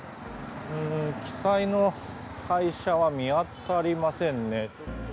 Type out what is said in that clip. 記載の会社は見当たりませんね。